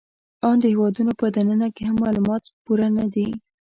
آن د هېوادونو په دننه کې هم معلومات پوره نهدي